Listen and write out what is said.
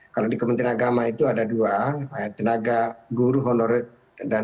kalau di kementerian agama itu ada dua tenaga guru honorer dan tenaga pendidikan